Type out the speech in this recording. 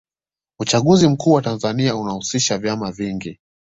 uchaguzi mkuu wa tanzania unahusisha vyama vingi